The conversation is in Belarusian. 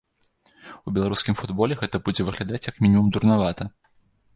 У беларускім футболе гэта будзе выглядаць як мінімум дурнавата.